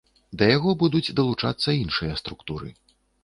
Да яго будуць далучацца іншыя структуры.